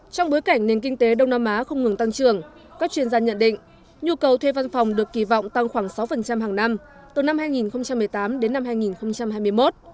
trong bối cảnh nền kinh tế đông nam á không ngừng tăng trưởng các chuyên gia nhận định nhu cầu thuê văn phòng được kỳ vọng tăng khoảng sáu hàng năm từ năm hai nghìn một mươi tám đến năm hai nghìn hai mươi một